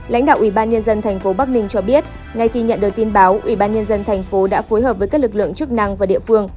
lãnh đạo ủy ban nhân dân tp bắc ninh cho biết ngay khi nhận được tin báo ủy ban nhân dân thành phố đã phối hợp với các lực lượng chức năng và địa phương